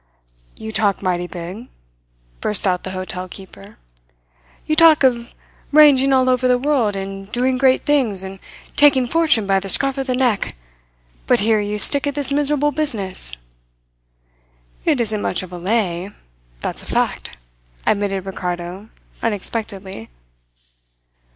"You talk mighty big," burst out the hotel keeper. "You talk of ranging all over the world, and doing great things, and taking fortune by the scruff of the neck, but here you stick at this miserable business!" "It isn't much of a lay that's a fact," admitted Ricardo unexpectedly.